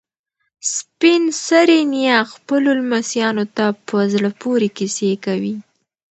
سپین سرې نیا خپلو لمسیانو ته په زړه پورې کیسې کوي.